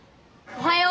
おはよう。